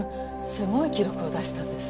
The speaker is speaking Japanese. すごい記録を出したんです。